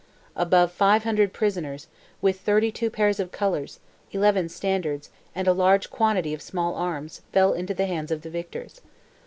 Above five hundred prisoners, with thirty two pairs of colours, eleven standards, and a large quantity of small arms, fell into the hands of the victors.